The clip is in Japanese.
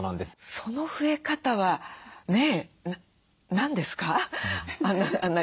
その増え方はね何ですか？